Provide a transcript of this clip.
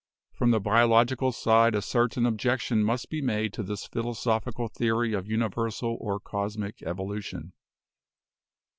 From the biological side a certain objection must be made to this philosophical theory of universal or cosmic evolution.